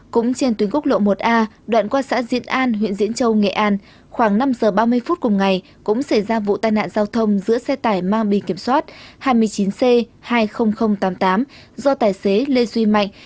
cũng trên tuyến quốc lộ một a đoạn qua xã diễn an huyện diễn châu nghệ an khoảng năm giờ ba mươi phút cùng ngày cũng xảy ra vụ tai nạn giao thông giữa xe tải mang bì kiểm soát hai mươi chín c hai mươi nghìn tám mươi tám do tài xế lê duy mạnh